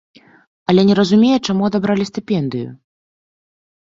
Але не разумее, чаму адабралі стыпендыю.